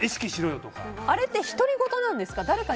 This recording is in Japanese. あれって独り言なんですか？